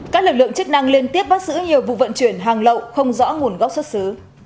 các lực lượng chức năng liên tiếp bắt giữ nhiều vụ vận chuyển hàng lậu không rõ nguồn gốc xuất xứ